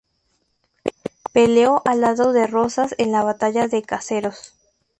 Peleó del lado de Rosas en la batalla de Caseros.